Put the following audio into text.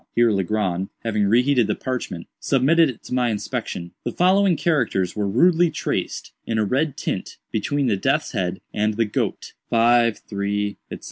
Here Legrand, having re heated the parchment, submitted it to my inspection. The following characters were rudely traced, in a red tint, between the death's head and the goat: "53‡‡†305))6*;4826)4‡.)